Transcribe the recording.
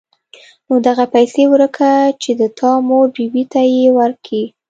نو دغه پيسې وركه چې د تا مور بي بي ته يې وركي.